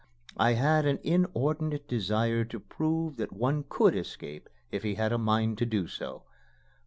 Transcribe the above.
I had an inordinate desire to prove that one could escape if he had a mind to do so.